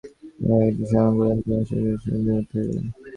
এইটি স্মরণ করিলে তুমি অসৎকার্য হইতে নিবৃত্ত হইবে।